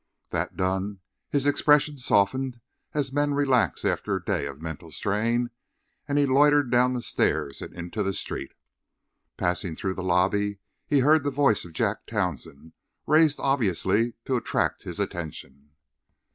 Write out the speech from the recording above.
That done, his expression softened as men relax after a day of mental strain and he loitered down the stairs and into the street. Passing through the lobby he heard the voice of Jack Townsend raised obviously to attract his attention.